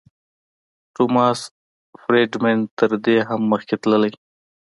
ټوماس فریډمن تر دې هم مخکې تللی.